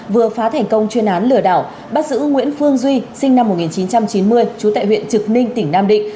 vừa phá thành công chuyên án lừa đảo bắt giữ nguyễn phương duy sinh năm một nghìn chín trăm chín mươi trú tại huyện trực ninh tỉnh nam định